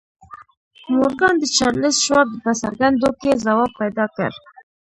مورګان د چارليس شواب په څرګندونو کې ځواب پيدا کړ.